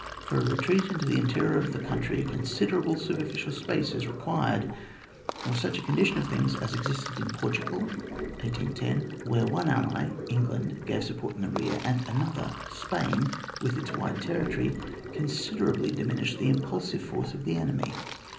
For a retreat into the interior of the country a considerable superficial space is required, or such a condition of things as existed in Portugal (1810), where one ally (England) gave support in rear, and another (Spain) with its wide territory, considerably diminished the impulsive force of the enemy.